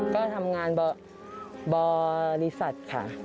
ก็ทำงานบริษัทค่ะ